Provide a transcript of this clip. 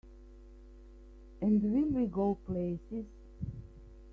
And will we go places!